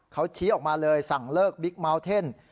เขาชี้ออกมาเลยสั่งเลิกบิ๊กเมาสเทน